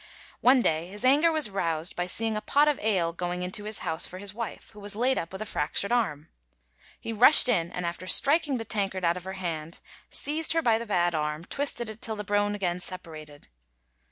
One day his anger was roused by seeing a pot of ale going into his house for his wife, who was laid up with a fractured arm. He rushed in, and after striking the tankard out of her hand, seized her by the bad arm, twisted it till the bone again separated.